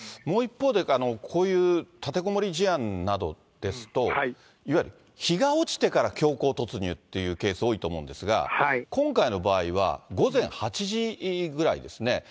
もう一方で、こういう立てこもり事案などですと、いわゆる日が落ちてから強行突入っていうケース、多いと思うんですが、今回の場合は午前８時ぐらいですね。